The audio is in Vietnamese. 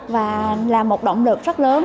và là một động lực rất lớn